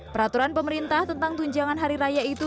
peraturan pemerintah tentang tunjangan hari raya itu